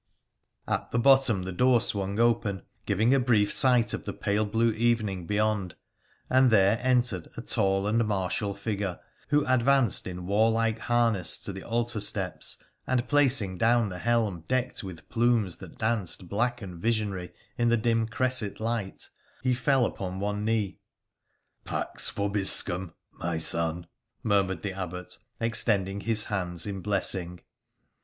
At the bottom the door swung open, giving a brief sight of the pale blue evening beyond, and there entered a tall and martial figure who advanced in warlike harness to the altar steps, and, placing down the helm decked with plumes that danced black and visionary in the dim cresset light, he fell upon one knee. ' Pax vobiscum, my son !' murmured the Abbot, extending his hands in blessing.